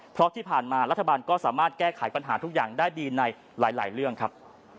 เพราะที่ผ่านมารัฐบาลก็สามารถแก้ไขปัญหาทุกอย่างได้ดีในหลายเรื่องครับ